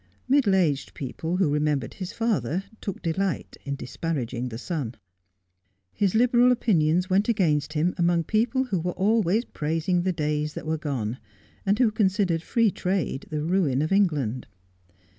Middle aged people who remembered his father took delight in disjiaraging the sou. His liberal opinions went against him among people who were always praising the days that were gone, and who considered free trade the ruin of England.